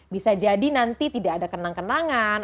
bisa jadi nanti tidak ada kenang kenangan